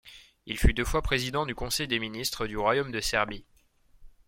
Il fut deux fois Président du Conseil des ministres du Royaume de Serbie.